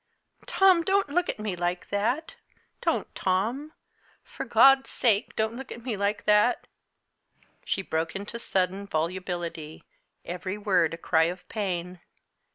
Tom! don't look at me like that! Don't, Tom for God's sake, don't look at me like that!" She broke into sudden volubility, every word a cry of pain.